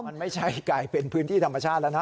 มันไม่ใช่กลายเป็นพื้นที่ธรรมชาติแล้วนะ